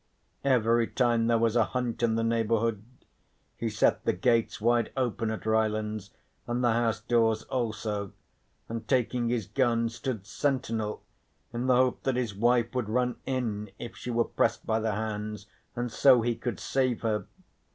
Every time there was a hunt in the neighbourhood he set the gates wide open at Rylands and the house doors also, and taking his gun stood sentinel in the hope that his wife would run in if she were pressed by the hounds, and so he could save her.